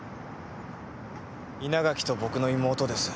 稲垣と僕の妹です。